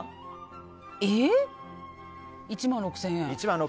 １万６０００円。